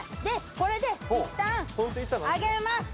これでいったん揚げます。